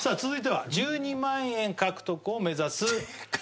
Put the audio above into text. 続いては１２万円獲得を目指す